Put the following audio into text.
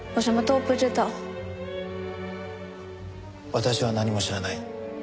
私は何も知らない。